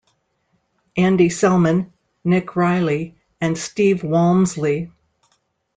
Andy Selman, Nick Riley and Steve Walmsley.